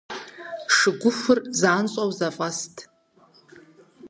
Шыгухур занщӀэу зэфӀэст.